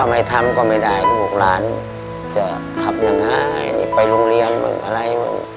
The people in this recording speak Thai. ทำไมทำก็ไม่ได้ลูกหลานจะขับเงินให้ไปรุ่งเรียนอะไร